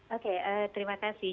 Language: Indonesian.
oke terima kasih